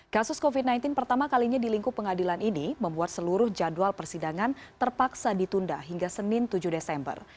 kasus covid sembilan belas pertama kalinya di lingkup pengadilan ini membuat seluruh jadwal persidangan terpaksa ditunda hingga senin tujuh desember